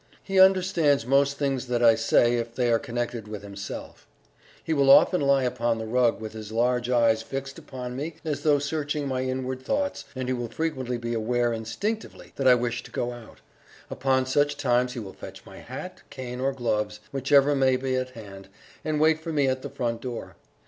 He understands most things that I say, if they are connected with himself; he will often lie upon the rug with his large eyes fixed upon me as though searching my inward thoughts, and he will frequently be aware instinctively that I wish to go out; upon such times he will fetch my hat, cane, or gloves, whichever may be at hand, and wait for me at the front door.